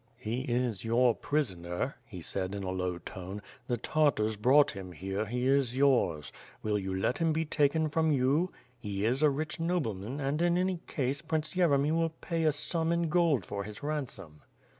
"He is your prisoner,'' he said, in a low tone. "The Tartars brought him here, he is yours. Will you let him be taken from you? He is a rich nobleman, and in any case, Prince Yeremy will pay a sum in gold for his ransom."